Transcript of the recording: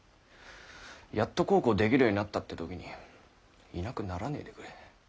やっと孝行できるようになったって時にいなくならねぇでくれ。